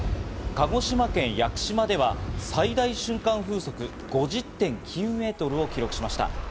鹿児島県屋久島では最大瞬間風速５０．９メートルを記録しました。